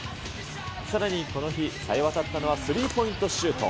さらにこの日、さえわたったのはスリーポイントシュート。